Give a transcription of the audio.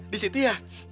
di situ ya